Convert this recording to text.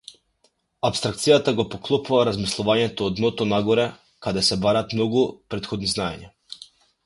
Апстракцијата го поклопува размислувањето од дното-нагоре каде се бараат многу малку претходни знаења.